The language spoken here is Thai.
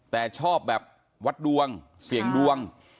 แต่ชอบแบบวัดดวงเสี่ยงดวง